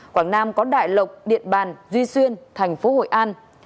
quảng nam có đại lộc điện bàn duy xuyên thành phố hội an